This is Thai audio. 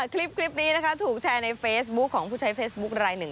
คลิปนี้นะคะถูกแชร์ในเฟซบุ๊คของผู้ใช้เฟซบุ๊คลายหนึ่ง